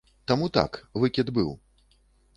Таму так, выкід быў.